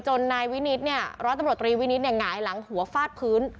จนร้อยตำรวจรีวินิศหงายหลังหัวฟาดพื้น